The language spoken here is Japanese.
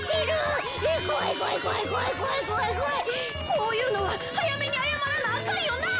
こういうのははやめにあやまらなあかんよな！